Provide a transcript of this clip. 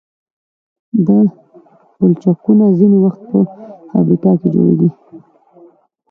دا پلچکونه ځینې وخت په فابریکه کې جوړیږي